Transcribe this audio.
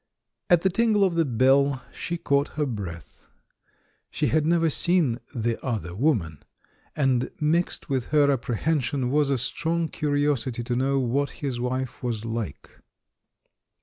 At the tingle of the bell, she caught her breath. She had never seen "the other woman," and mixed with her apprehension was a strong curi osity to know what his wife was like.